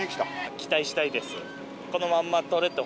期待したいです。